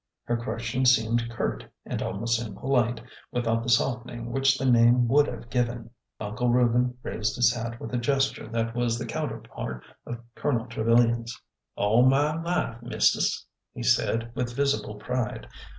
Her question seemed curt and almost impolite without the softening which the name would have given. Uncle Reuben raised his hat with a gesture that was the counterpart of Colonel Trevilian's. '' All my life, mistis," he said, with visible pride.